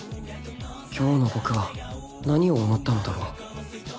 今日の僕は何を思ったのだろう